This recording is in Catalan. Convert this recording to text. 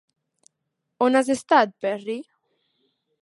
On has estat, Perry?